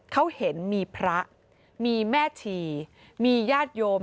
เขาเห็นมีพระมีแม่ชีมีญาติโยม